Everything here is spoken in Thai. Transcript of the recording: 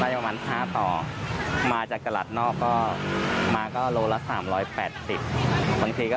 ราคาผักชีไทยตลาดเฮ่ยขวางวันนี้นะครับ๓๘๐๔๐๐บาทต่อกิโลกรัม